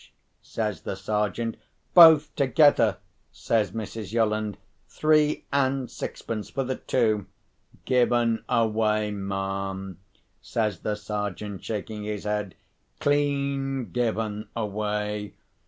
says the Sergeant. "Both together!" says Mrs. Yolland. "Three and sixpence for the two." "Given away, ma'am," says the Sergeant, shaking his head. "Clean given away!"